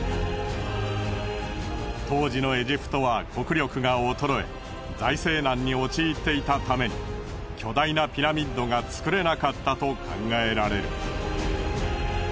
当時のエジプトは国力が衰え財政難に陥っていたために巨大なピラミッドが造れなかったと考えられる。